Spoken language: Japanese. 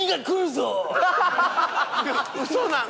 ウソなん？